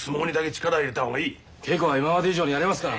稽古は今まで以上にやりますから。